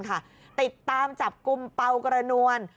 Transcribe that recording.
ติดตามจับกลุ่มเปล่ากระนวล